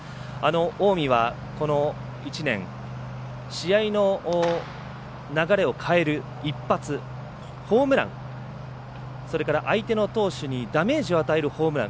近江は、この１年試合の流れを変える一発ホームランそれから相手の投手にダメージを与えるホームラン。